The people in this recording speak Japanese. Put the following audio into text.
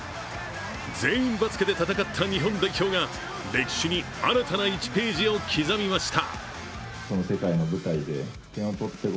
全員バスケで戦った日本代表が歴史に新たな１ページを刻みました。